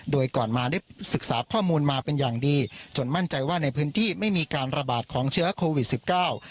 โดยก่อนมาได้ศึกษาข้อมูลมาเป็นอย่างดีจนมั่นใจว่าในพื้นที่ไม่มีการระบาดของเชื้อโควิดสิบเก้า